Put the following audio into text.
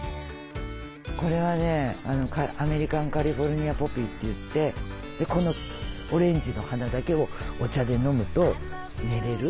これはねアメリカンカリフォルニアポピーっていってこのオレンジの花だけをお茶で飲むと寝れる。